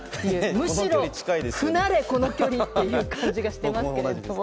むしろ不慣れこの距離っていう感じがしていますが。